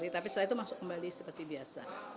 tapi setelah itu masuk kembali seperti biasa